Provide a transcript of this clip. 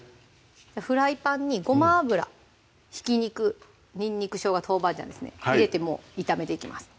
フライパンにごま油・ひき肉・にんにく・しょうが・豆板醤ですね入れてもう炒めていきます